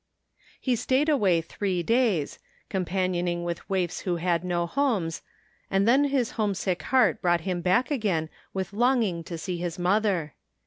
He stayed away three days, companioning with waifs who had no homes, and then his homesick heart brought him back again with longing to see his mother.